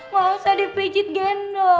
gak usah dipijit gendong